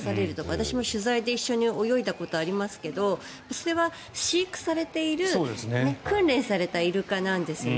私も取材で一緒に泳いだことがありますけどそれは飼育されている訓練されたイルカなんですよね。